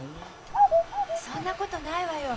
そんなことないわよ。